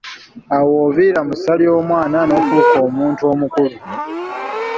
Awo w'oviira mu ssa ery'omwana n'ofuuka omuntu omukulu.